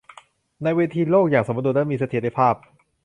และในเวทีโลกอย่างสมดุลและมีเสถียรภาพ